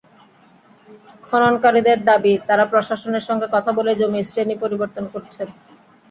খননকারীদের দাবি, তাঁরা প্রশাসনের সঙ্গে কথা বলেই জমির শ্রেণি পরিবর্তন করছেন।